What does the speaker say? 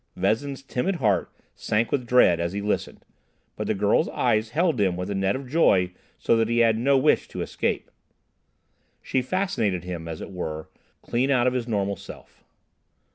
Vezin's timid heart sank with dread as he listened; but the girl's eyes held him with a net of joy so that he had no wish to escape. She fascinated him, as it were, clean out of his normal self.